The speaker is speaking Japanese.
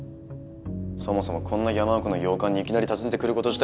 そもそもこんな山奥の洋館にいきなり訪ねてくること自体